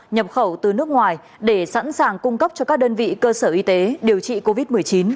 nhập khẩu từ nước ngoài để sẵn sàng cung cấp cho các đơn vị cơ sở y tế điều trị covid một mươi chín